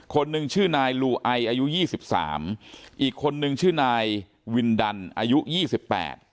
คนหนึ่งชื่อนายลูไออายุยี่สิบสามอีกคนนึงชื่อนายวินดันอายุยี่สิบแปด